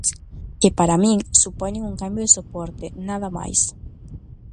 Que para min supoñen un cambio de soporte, nada máis.